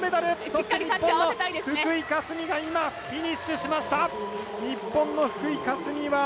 そして日本の福井香澄が今、フィニッシュしました。